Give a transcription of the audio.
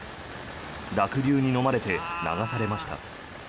濁流にのまれて流されました。